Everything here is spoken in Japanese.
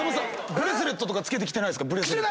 ブレスレットとか着けてきてないですか。